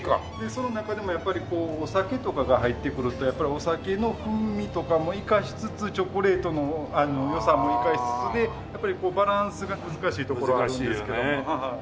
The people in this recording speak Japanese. その中でもやっぱりお酒とかが入ってくるとやっぱりお酒の風味とかも生かしつつチョコレートの良さも生かしつつでやっぱりバランスが難しいところあるんですけど。